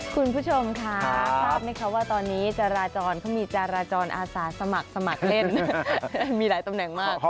คุณผู้ชมคะทราบไหมคะว่าตอนนี้จราจรเขามีจาราจรอาสาสมัครสมัครเล่นมีหลายตำแหน่งมาก